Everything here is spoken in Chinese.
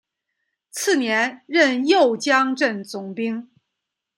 次年任右江镇总兵。